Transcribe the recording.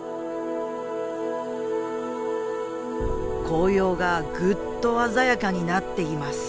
紅葉がグッと鮮やかになっています。